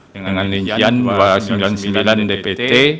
dengan linjian dua ratus sembilan puluh sembilan dpt